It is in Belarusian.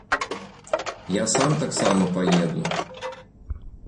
Я сам таксама паеду.